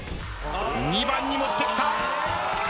２番に持ってきた。